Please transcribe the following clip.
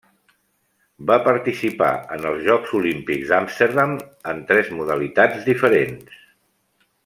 Va participar en els Jocs Olímpics d'Amsterdam en tres modalitats diferents.